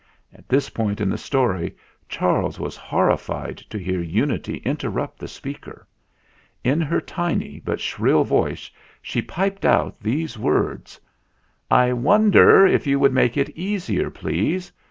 At this point in the story Charles was horrified to hear Unity interrupt the speak er. In her tiny but shrill voice she piped out these words : "I wonder if you would make it easier, please.